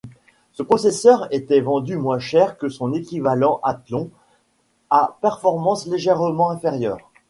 Ce processeur était vendu moins cher que son équivalent Athlon, à performances légèrement inférieures.